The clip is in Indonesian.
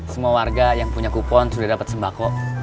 semua warga yang punya kupon sudah dapat sembako